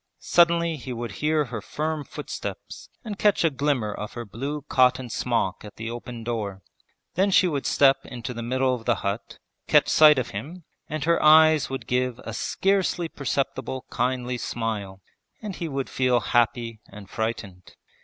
Suddenly he would hear her firm footsteps and catch a glimmer of her blue cotton smock at the open door. Then she would step into the middle of the hut, catch sight of him, and her eyes would give a scarcely perceptible kindly smile, and he would feel happy and frightened.